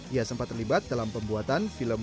ia sempat terlibat dalam pembuatan film